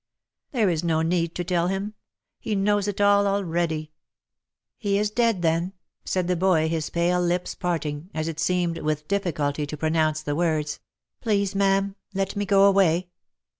" There is no need to tell him ! He knows it all, already !"" He is dead, then !" said the boy, his pale lips parting, as it seemed, with difficulty, to pronounce the words, " Please, ma'am, let me go away."